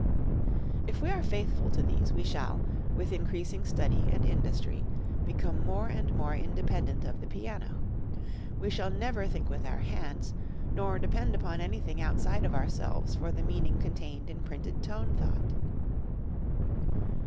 If we are faithful to these we shall, with increasing study and industry, become more and more independent of the piano. We shall never think with our hands, nor depend upon anything outside of ourselves for the meaning contained in printed tone thought.